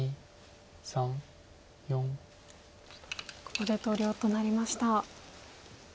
ここで投了となりました。